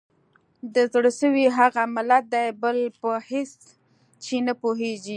د زړه سوي هغه ملت دی بل په هیڅ چي نه پوهیږي